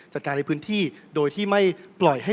จัดการในพื้นที่โดยที่ไม่ปล่อยให้